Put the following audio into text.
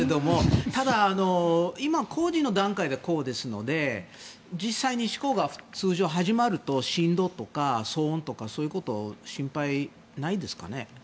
ただ、今工事の段階でこうですので実際に始まると振動とか騒音とか心配ないんですかね。